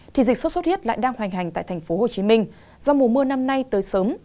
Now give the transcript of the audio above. thì dịch sốt xuất huyết lại đang hoành hành tại tp hcm do mùa mưa năm nay tới sớm